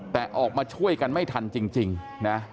แต่ออกมาช่วยกันไม่ทันจริงนะ